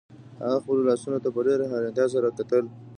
هغه خپلو لاسونو ته په ډیره حیرانتیا سره کتل